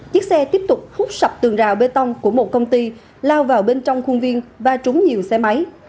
chiếc xe tiếp tục hút sập tường rào bê tông của một công ty lao vào bên trong khuôn viên và trúng nhiều xe máy